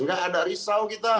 tidak ada risau kita